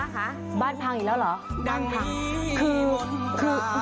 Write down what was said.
ฮะบ้านพังอีกแล้วเหรอ